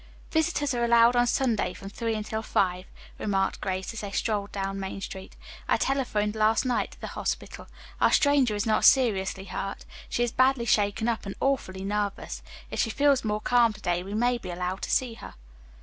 "Visitors are allowed on Sunday from three until five," remarked Grace as they strolled down Main Street. "I telephoned last night to the hospital. Our stranger is not seriously hurt. She is badly shaken up, and awfully nervous. If she feels more calm to day we may be allowed to see her."